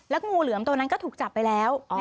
งูเหลือมตัวนั้นก็ถูกจับไปแล้ว